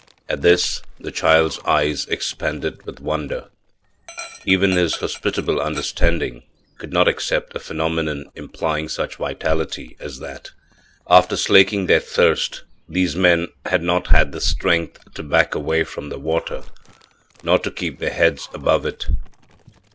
At this the child's eyes expanded with wonder; even his hospitable understanding could not accept a phenomenon implying such vitality as that. After slaking their thirst these men had not had the strength to back away from the water, nor to keep their heads above it.